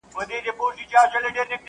چي پر سر د دې غريب دئ كښېنستلى.!